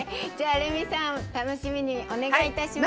レミさん、楽しみにお願いいたします。